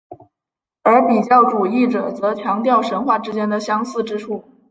而比较主义者则强调神话之间的相似之处。